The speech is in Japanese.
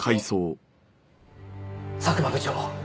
佐久間部長